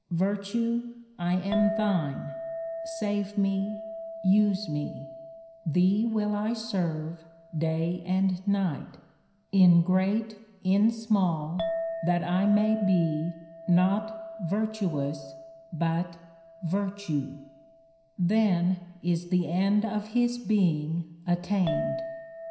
Virtue, I am thine, save me, use me ; thee will I serve, day and night, in great, in small, that I may be, not virtuous, but virtue," then is the end of his being attained.